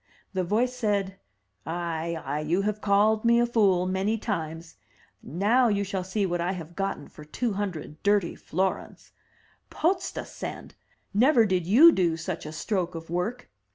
The voice said, '*Ay, ay, you have called me a fool many times. Now you shall see what I have gotten for two hundred dirty florins. Potztausend! never did you do such a stroke of work!''